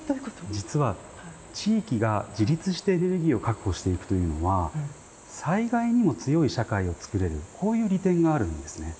実は地域が自立してエネルギーを確保していくというのはこういう利点があるんですね。